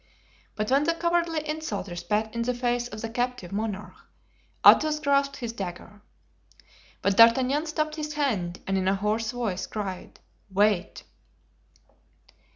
But when the cowardly insulter spat in the face of the captive monarch Athos grasped his dagger. But D'Artagnan stopped his hand and in a hoarse voice cried, "Wait!"